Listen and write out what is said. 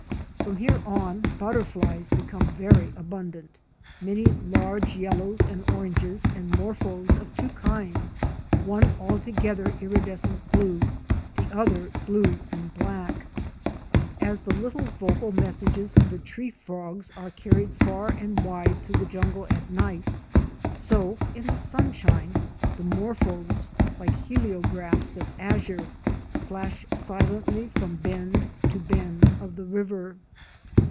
From here on butterflies became very abundant; many large Yellows and Oranges and Morphos of two kinds, one altogether iridescent blue, the other blue and black. As the little vocal messages of the tree frogs are carried far and wide through the jungle at night, so in the sunshine the morphos, like heliographs of azure, flash silently from bend to bend of the river.